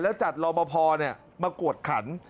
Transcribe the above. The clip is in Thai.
แล้วจัดรอปภมากวดขัน